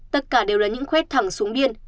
tất cả đều là những khuét thẳng xuống biên